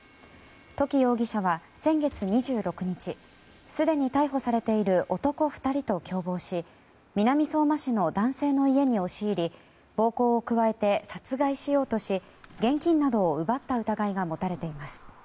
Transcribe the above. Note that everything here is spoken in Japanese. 土岐容疑者は、先月２６日すでに逮捕されている男２人と共謀し南相馬市の男性の家に押し入り暴行を加えて殺害しようとし現金などを奪った疑いが持たれています。